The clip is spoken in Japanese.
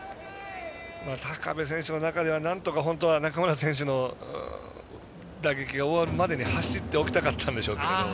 高部選手の中ではなんとか本当は中村選手の打撃までに走っておきたかったんでしょうね